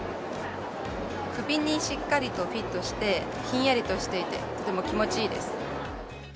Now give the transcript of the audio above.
首にしっかりとフィットしてひんやりとしていてとても気持ちいいです。